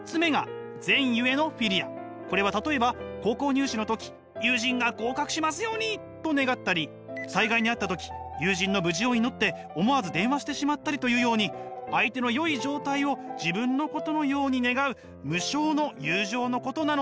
これは例えば高校入試の時友人が合格しますようにと願ったり災害に遭った時友人の無事を祈って思わず電話してしまったりというように相手の良い状態を自分のことのように願う無償の友情のことなのです。